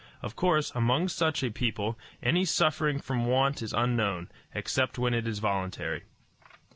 Of course, among such a people, any suffering from want is unknown, except when it is voluntary.